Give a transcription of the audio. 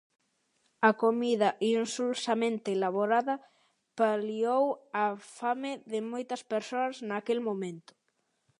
A comida, insulsamente elaborada, paliou a fame de moitas persoas naquel momento.